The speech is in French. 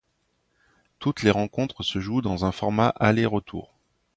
Toutes les rencontres se jouent dans un format aller-retour.